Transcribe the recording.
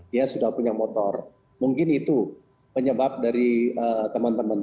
dia sudah punya motor mungkin itu penyebab dari teman teman